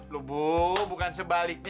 loh bu bukan sebaliknya